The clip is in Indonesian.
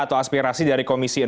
atau aspirasi dari komisi enam